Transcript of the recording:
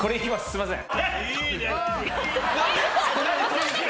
すいません。